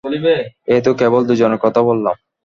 এ তো কেবল দুইজনের কথা বললাম।